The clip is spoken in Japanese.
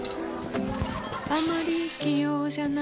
あまり器用じゃないほうです。